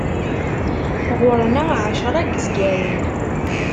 Ɣur-neɣ εecra n yizgaren.